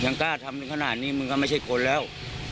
ยังกล้าทำขนาดนี้มึงก็ไม่ใช่กลแล้ว